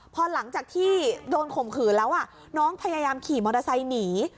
พอหลังจากที่โดนข่มขืนแล้วน้องพยายามขี่มอเตอร์ไซค์หนี